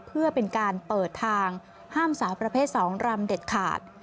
เพื่อเป็นการเปิดทางห้ามสาวประเภท๒รำเด็ดขาด